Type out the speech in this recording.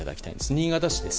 新潟市です。